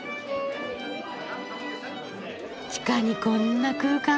地下にこんな空間が。